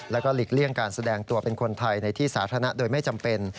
แล้วก็หลีกเลี่ยงการแสดงตัวเป็นคนไทยในที่สาธารณะโดยไม่จำเป็น